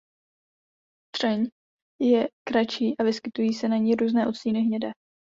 Třeň je kratší a vyskytují se na ní různé odstíny hnědé.